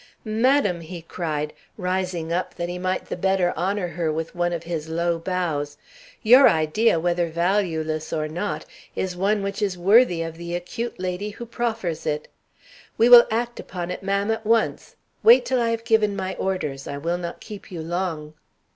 "Madam!" he cried, rising up that he might the better honor her with one of his low bows, "your idea, whether valueless or not, is one which is worthy of the acute lady who proffers it. We will act on it, ma'am, act at once. Wait till I have given my orders. I will not keep you long."